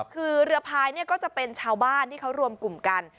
คือเรือพายก็จะเป็นชาวบ้านที่เขารวมกลุ่มกัน